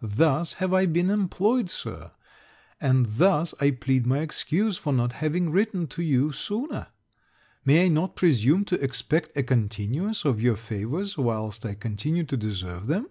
Thus have I been employed, Sir; and thus I plead my excuse for not having written to you sooner. May I not presume to expect a continuance of your favours whilst I continue to deserve them?